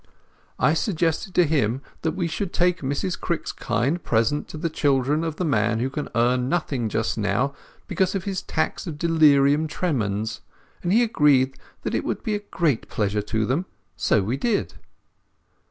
I suggested to him that we should take Mrs Crick's kind present to the children of the man who can earn nothing just now because of his attacks of delirium tremens; and he agreed that it would be a great pleasure to them; so we did."